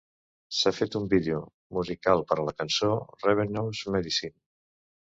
S'ha fet un vídeo musical per a la cançó "Ravenous Medicine".